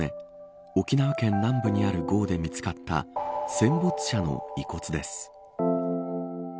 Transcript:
沖縄県南部にある壕で見つかった戦没者の遺骨です。